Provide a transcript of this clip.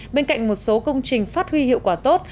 bên cạnh một số công trình phát huy hiệu quả tốt